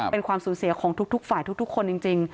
เป็นความสูญเสียของทุกฝ่ายทุกคนจริง